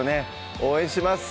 応援します